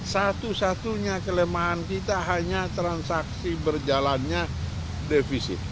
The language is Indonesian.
satu satunya kelemahan kita hanya transaksi berjalannya defisit